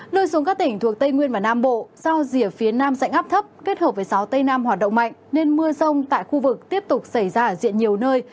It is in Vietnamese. lưu xuống các tỉnh thuộc tây nguyên và nam bộ do rìa phía nam dạnh áp thấp kết hợp với gió tây nam hoạt động mạnh nên mưa rông tại khu vực tiếp tục xảy ra ở diện nhiều nơi